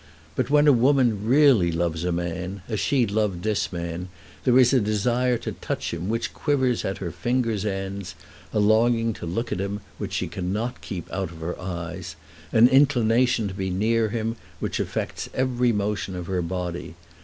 But when a woman really loves a man, as she loved this man, there is a desire to touch him which quivers at her fingers' ends, a longing to look at him which she cannot keep out of her eyes, an inclination to be near him which affects every motion of her body.